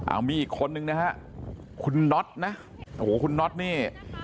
เอามีอีกคนนึงนะฮะคุณน็อตนะโอ้โหคุณน็อตนี่